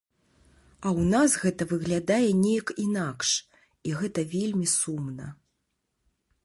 А ў нас гэта выглядае неяк інакш, і гэта вельмі сумна.